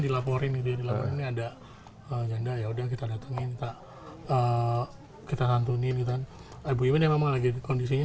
dilaporin ini ada janda ya udah kita datangin tak kita santuni lutan ibu ini memang lagi kondisinya